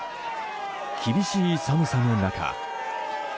厳しい寒さの中。